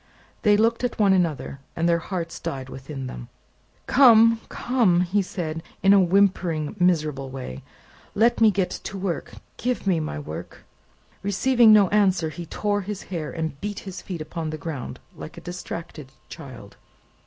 They looked at one another, and their hearts died within them. "Come, come!" said he, in a whimpering miserable way; "let me get to work. Give me my work." Receiving no answer, he tore his hair, and beat his feet upon the ground, like a distracted child.